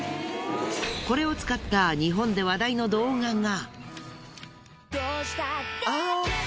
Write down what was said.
これを使った日本で話題の動画が。